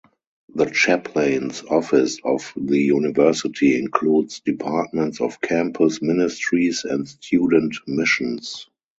The Chaplain's Office of the University includes departments of Campus Ministries and Student Missions.